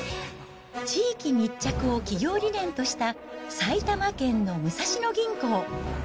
地域密着を企業理念とした埼玉県の武蔵野銀行。